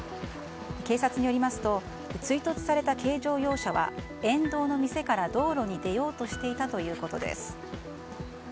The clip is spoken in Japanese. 警察によりますと追突された軽乗用車は遠藤の店から道路に出ようとしていたということです。